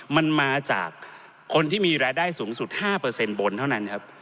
มันมาจากคนที่มีรายได้สูงสุด๕บนเท่านั้นครับ